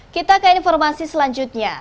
kita ke informasi selanjutnya